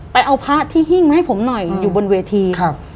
ไปเอาพระที่หิ้งมาให้ผมหน่อยอยู่บนเวทีครับ